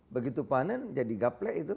begitu panen jadi gaplek itu